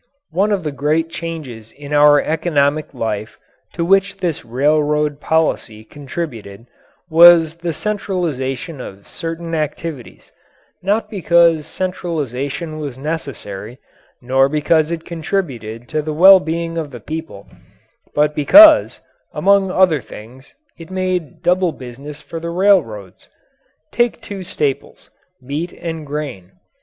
One of the great changes in our economic life to which this railroad policy contributed was the centralization of certain activities, not because centralization was necessary, nor because it contributed to the well being of the people, but because, among other things, it made double business for the railroads. Take two staples meat and grain.